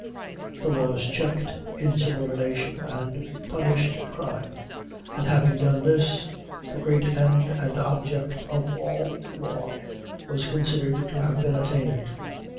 The laws checked insubordination and punished crime; and having done this, the great end and object of all law was considered to have been attained.